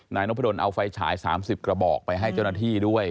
นายนพดลเอาไฟฉาย๓๐กระบอกไปให้เจ้าหน้าที่ด้วย